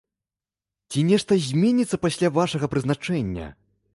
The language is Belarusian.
Ці нешта зменіцца пасля вашага прызначэння?